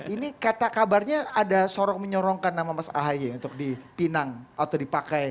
ini kata kabarnya ada sorong menyorongkan nama mas ahy untuk dipinang atau dipakai